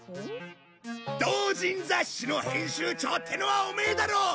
同人雑誌の編集長ってのはオメエだろ！